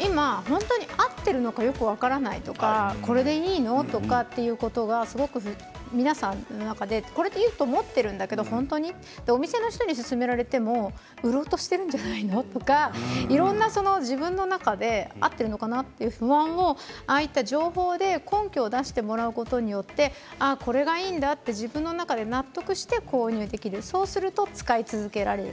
今、本当に合っているのかよく分からないとかこれでいいんだとかということが、すごく皆さんの中でこれでいいと思っているんだけど本当にお店の人に勧められていても見落としているんじゃないかといろんな自分の中で合っているのかなという不安をああいった情報で根拠を出してもらうことによってこれがいいんだと自分の中で納得をして購入できるそうすると使い続けられる。